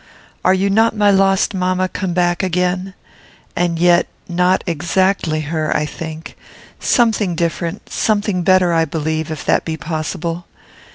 "Are you not my lost mamma come back again? And yet, not exactly her, I think. Something different; something better, I believe, if that be possible.